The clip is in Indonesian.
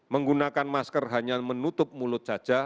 menggunakan masker hanya menutup mulut saja